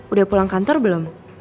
udah pulang kantor belum